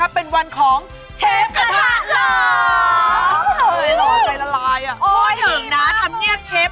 อ๋ออะไรนะแม่